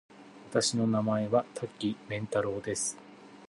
私の名前は多岐麺太郎です。